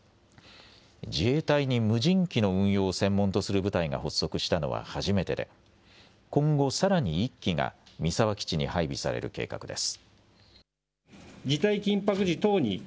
自衛隊に無人機の運用を専門とする部隊が発足したのは初めてで今後、さらに１機が三沢基地に配備される計画です。